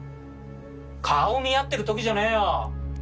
顔を見合ってる時じゃねえよ！